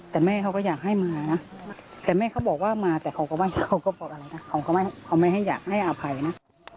แต่แม่เขาก็อยากให้มานะแต่แม่เขาบอกว่ามาแต่เขาก็ไม่เขาก็บอกอะไรนะเขาก็ไม่ให้อยากให้อภัยนะ